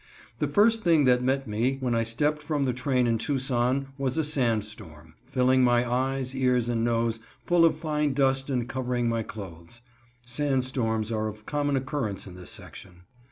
The first thing that met me when I stepped from the train in Tucson was a sandstorm, filling my eyes, ears and nose full of fine dust and covering my clothes. (Sandstorms are of common occurrence in this section.)